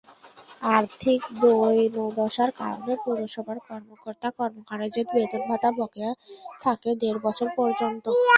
আর্থিক দৈন্যদশার কারণে পৌরসভার কর্মকর্তা-কর্মচারীদের বেতন-ভাতা বকেয়া থাকে দেড় বছর পর্যন্ত।